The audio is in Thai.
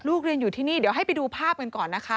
เรียนอยู่ที่นี่เดี๋ยวให้ไปดูภาพกันก่อนนะคะ